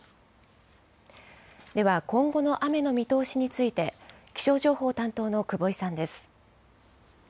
では、今後の雨の見通しについて、気象情報担当の久保井さんです。